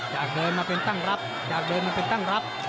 จากเดินมาเป็นตั้งรับจากเดินมาเป็นตั้งรับ